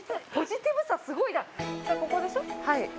ここでしょう？